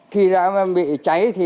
khi đã bị cháy thì